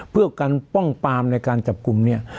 เพื่อกันป้องปามในการจับกลุ่มเนี่ย